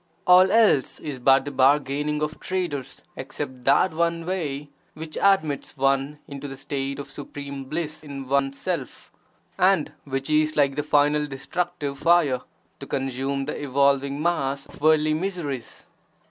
All else is but the bargaining of traders except that one way which admits one into the state of supreme bliss in one's Self, and which is like the (final) destructive fire to consume the evolving mass of worldly miseries.